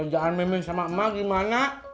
kenjaan mimi sama emak gimana